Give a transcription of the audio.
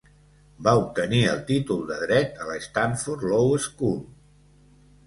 Va obtenir el títol de Dret a la Stanford Law School.